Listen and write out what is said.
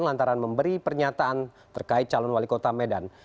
lantaran memberi pernyataan terkait calon wali kota medan